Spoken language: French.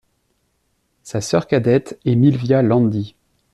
Sa sœur cadette est Milvia Landi.